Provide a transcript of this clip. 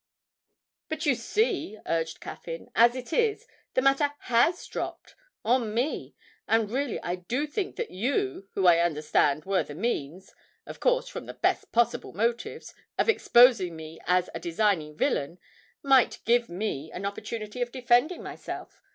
'But you see,' urged Caffyn, 'as it is, the matter has dropped on me, and really I do think that you, who I understand were the means of course from the best possible motives of exposing me as a designing villain, might give me an opportunity of defending myself.